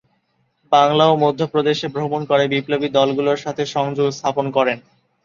বাংলা ও মধ্য প্রদেশে ভ্রমণ করে বিপ্লবী দলগুলোর সাথে সংযোগ স্থাপন করেন।